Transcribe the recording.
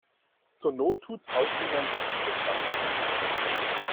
Zur Not tut's auch die Manhattan-Distanz.